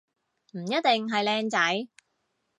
唔一定係靚仔